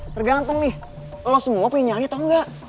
tergantung nih lo semua punya nyali atau enggak